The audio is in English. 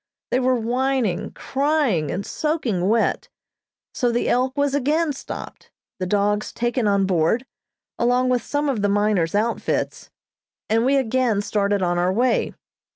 They were whining, crying, and soaking wet; so the "Elk" was again stopped, the dogs taken on board, along with some of the miners' outfits, and we again started on our way.